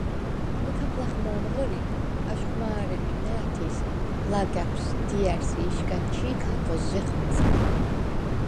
მჷქაფ ლახ მო̄მ ღჷრი, აშხვ მა̄რე̄მი ნა̄̈თის – ლაგა̈ფს, დია̈რს ი იშგან ჩი̄ ქახოზზიხ მეზგა.